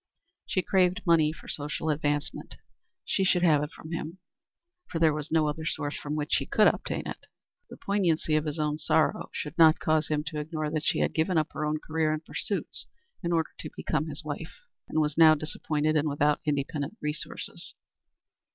She craved money for social advancement. She should have it from him, for there was no other source from which she could obtain it. The poignancy of his own sorrow should not cause him to ignore that she had given up her own career and pursuits in order to become his wife, and was now disappointed and without independent resources.